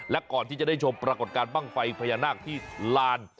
และก่อนที่จะได้ชมปรากฏการณ์บ้างไฟพญานาคที่ลาน